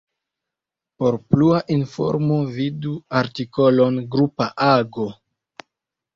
Por plua informo vidu artikolon grupa ago.